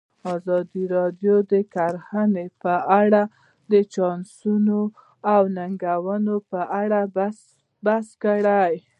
ازادي راډیو د کرهنه په اړه د چانسونو او ننګونو په اړه بحث کړی.